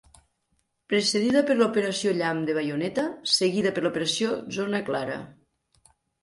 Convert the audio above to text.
Precedida per Operació Llamp de baioneta, seguida per l'Operació Zona clara.